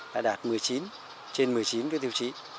đã đạt một mươi chín trên một mươi chín tiêu chí